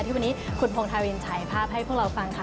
ที่วันนี้คุณพงทาวินฉายภาพให้พวกเราฟังค่ะ